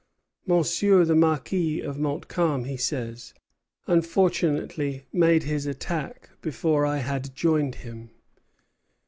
"Monsieur the Marquis of Montcalm," he says, "unfortunately made his attack before I had joined him."